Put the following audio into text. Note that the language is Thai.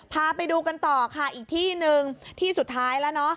พาไปดูกันต่อค่ะอีกที่หนึ่งที่สุดท้ายแล้วเนอะ